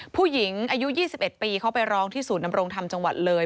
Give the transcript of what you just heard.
ผู้หญิงอายุ๒๑ปีเขาไปร้องที่ศูนย์นำรงธรรมจังหวัดเลย